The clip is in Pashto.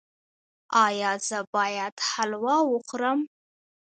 ایا زه باید حلوا وخورم؟